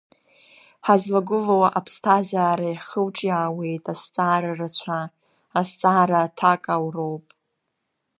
Ҳазлагылоу аԥсҭазаара иахылҿиаауеит азҵаара рацәа, азҵаара аҭак ауроуп.